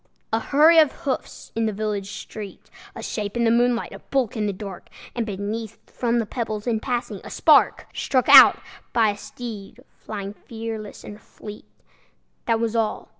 A hurry of hoofs in a village street, A shape in the moonlight, a bulk in the dark, And beneath, from the pebbles, in passing, a spark Struck out by a steed flying fearless and fleet: That was all!